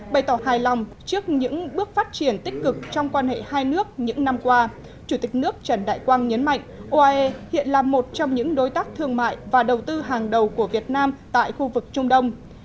bày tỏ hài lòng trước những bước phát triển tích cực trong quan hệ hai nước những năm qua chủ tịch nước trần đại quang nhấn mạnh uae hiện là một trong những đối tác thương mại và đầu tư hàng đầu của việt nam tại khu vực trung đông